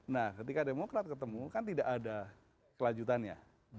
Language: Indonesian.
nah ketika demokrat ketemu kan tidak ada kelanjutannya